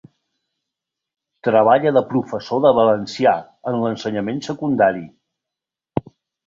Treballa de professor de valencià en l'ensenyament secundari.